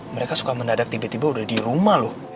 mereka suka mendadak tiba tiba udah di rumah loh